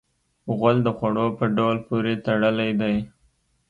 غول د خوړو په ډول پورې تړلی دی.